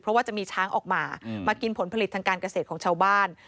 เพราะว่าจะมีช้างออกมามากินผลผลิตทางการเกษตรของชาวบ้าน